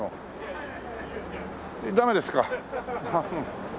ダメですか？